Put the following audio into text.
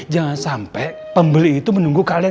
jangan sampai pembeli itu menunggu kalian